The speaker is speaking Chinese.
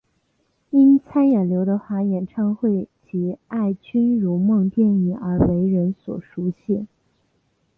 因参演刘德华演唱会及爱君如梦电影而为人所熟悉。